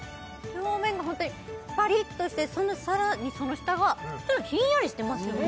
表面がホントにパリッとしてそのさらにその下がちょっとひんやりしてますよね